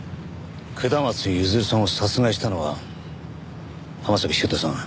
下松譲さんを殺害したのは浜崎修斗さん